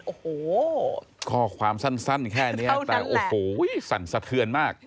โอ้โหข้อความสั้นแค่นี้แต่โอ้โหสั่นสะเทือนมาก